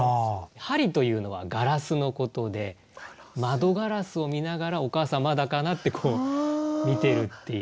「玻璃」というのはガラスのことで窓ガラスを見ながら「お母さんまだかな」ってこう見てるっていう。